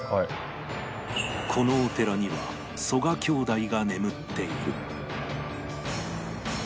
このお寺には曽我兄弟が眠っている